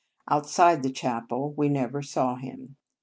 Outside the chapel, we never saw him.